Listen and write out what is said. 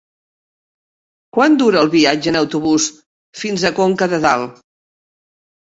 Quant dura el viatge en autobús fins a Conca de Dalt?